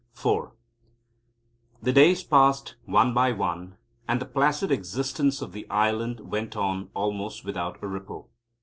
IV The days passed one by one, and the placid existence of the Island went on almost without a ripple.